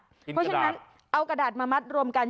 เพราะฉะนั้นเอากระดาษมามัดรวมกัน